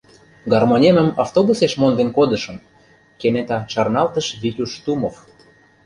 — Гармонемым автобусеш монден кодышым! — кенета шарналтыш Витюш Тумов.